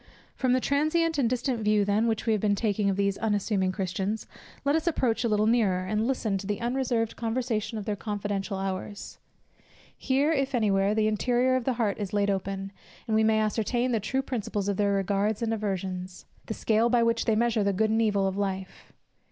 From the transient and distant view then, which we have been taking of these unassuming Christians, let us approach a little nearer, and listen to the unreserved conversation of their confidential hours. Here, if any where, the interior of the heart is laid open, and we may ascertain the true principles of their regards and aversions; the scale by which they measure the good and evil of life.